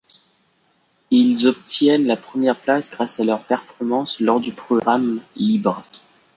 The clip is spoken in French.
Ils obtiennent la première place grâce à leur performance lors du programme libre.